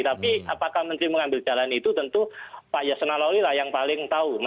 tapi apakah menteri mengambil jalan itu tentu pak yasenaloli lah yang paling tahu mas indra